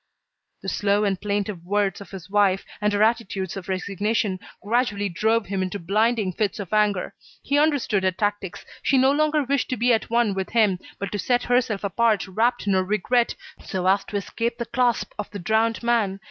The slow and plaintive words of his wife, and her attitudes of resignation, gradually drove him into blinding fits of anger. He understood her tactics; she no longer wished to be at one with him, but to set herself apart wrapped in her regret, so as to escape the clasp of the drowned man.